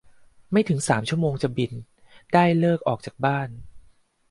ไม่ถึงสามชั่วโมงจะบิน ได้ฤกษ์ออกจากบ้าน